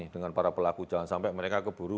dengan para pelaku jangan sampai mereka keburu